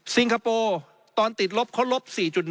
คโปร์ตอนติดลบเขาลบ๔๑